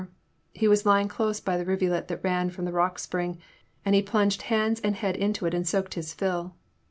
He was lying close by the rivulet that ran from the rock spring, and he plunged hands and head into it and soaked his fill.